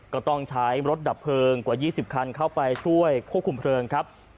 ก็ต้องใช้รถดับเพลิงกว่า๒๐คันเข้าไปช่วยควบคุมเพลิงครับ